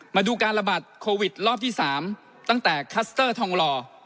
มาดูการระบาดโควิดรอบที่๓ตั้งแต่คัสเตอร์ทองหล่อ